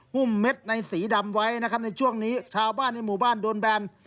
ุ่มเม็ดในสีดำไว้นะครับในช่วงนี้ชาวบ้านในหมู่บ้านโดนแบน